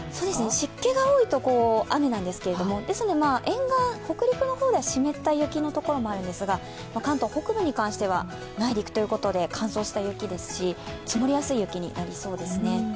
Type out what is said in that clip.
湿気が多いと雨なんですが、ですから北陸の方では湿った雪のところもあるんですが関東北部に関しては内陸ということで乾燥した雪ですし、積もりやすい雪になりそうですね。